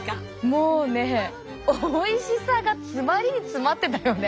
もうねおいしさが詰まりに詰まってたよね。